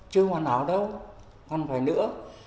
chưa hoàn hảo đâu không phải nữa